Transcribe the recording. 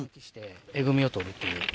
えぐみを取るという。